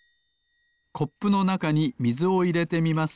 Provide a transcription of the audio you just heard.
コップのなかにみずをいれてみます。